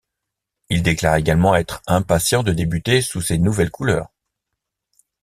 Il déclare également être impatient de débuter sous ses nouvelles couleurs.